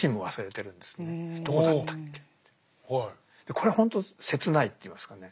これはほんと切ないっていいますかね。